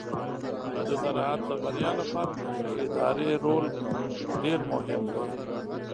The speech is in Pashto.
د زراعت د بریا لپاره د ښه ادارې رول ډیر مهم دی.